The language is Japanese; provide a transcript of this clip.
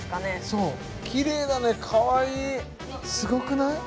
そうきれいだね可愛いすごくない？